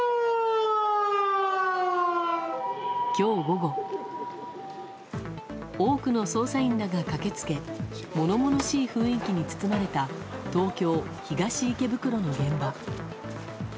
今日午後多くの捜査員らが駆け付け物々しい雰囲気に包まれた東京・東池袋の現場。